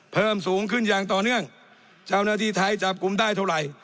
เพิ่มสูงขึ้นอย่างต่อเนื่องเจ้าหน้าที่ไทยจับกลุ่มได้เท่าไหร่